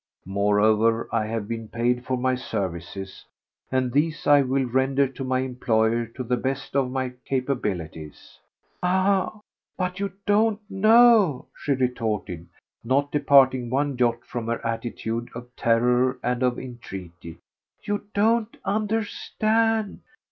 Moreover, I have been paid for my services, and these I will render to my employer to the best of my capabilities." "Ah, but you don't know," she retorted, not departing one jot from her attitude of terror and of entreaty, "you don't understand.